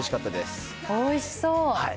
おいしそう。